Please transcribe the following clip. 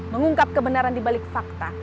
mengungkap kebenaran di balik fakta